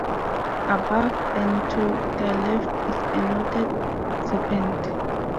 Above and to their left is a knotted serpent.